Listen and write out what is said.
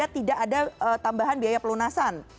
tidak ada tambahan biaya pelunasan